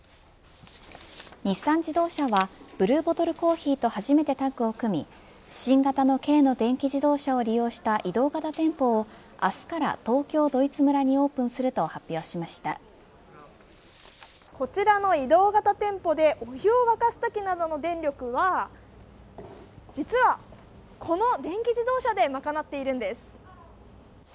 日産自動車はブルーボトルコーヒーと初めてタッグを組み新型軽の電気自動車を利用した移動型店舗を明日から、東京ドイツ村にこちらの移動型店舗でお湯を沸かすときなどの電力は実は、この電気自動車で賄っているんです。